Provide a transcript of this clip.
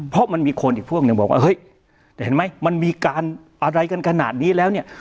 เพราะมันมีคนอีกพวกหนึ่งบอกว่าเฮ้ยแต่เห็นไหมมันมีการอะไรกันขนาดนี้แล้วเนี่ย